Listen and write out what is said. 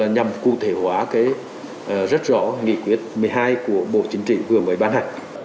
nhằm cụ thể hóa rất rõ nghị quyết một mươi hai của bộ chính trị vừa mới ban hành